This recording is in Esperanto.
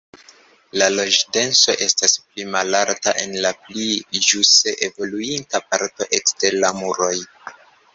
La loĝdenso estas pli malalta en la pli ĵuse evoluinta parto ekster la muroj.